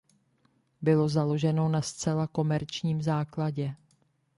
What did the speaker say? Bylo založeno na zcela komerčním základě.